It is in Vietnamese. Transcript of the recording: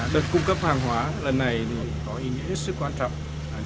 đợt cung cấp hàng hóa lần này có ý nghĩa hết sức quan trọng